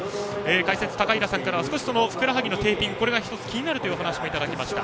解説の高平さんからは坂井のふくらはぎのテーピングがこれが１つ気になるという話をいただきました。